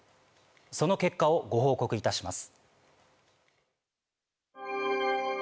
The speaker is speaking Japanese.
その結果をご報告いたします。